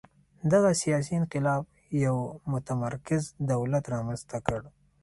دغه سیاسي انقلاب یو متمرکز دولت رامنځته کړ.